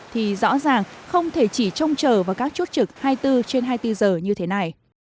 thì rõ ràng không thể chỉ trông chờ vào các chốt trực hai mươi bốn trên hai mươi bốn giờ như thế này